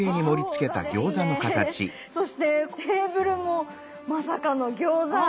そしてテーブルもまさかの餃子。